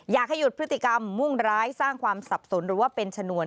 อยากให้หยุดพฤติกรรมมุ่งร้ายสร้างความสับสนหรือว่าเป็นชนวน